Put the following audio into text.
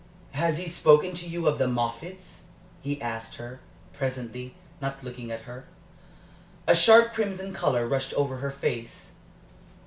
"Has he spoken to you of the Moffatts?" he asked her, presently, not looking at her. A sharp crimson color rushed over her face.